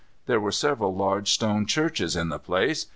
There were several large stone churches in the place.